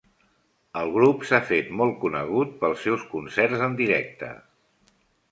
El grup s'ha fet molt coneguda pels seus concerts en directe.